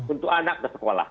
untuk anak ke sekolah